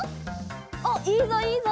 おっいいぞいいぞ！